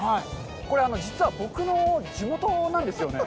これは、実は僕の地元なんですよね。